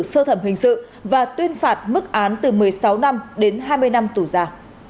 sơ thẩm hình sự và tuyên phạt mức án từ một mươi sáu năm đến hai mươi năm tù ra